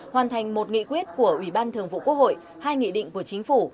hoàn thành một nghị quyết của ủy ban thường vụ quốc hội hai nghị định của chính phủ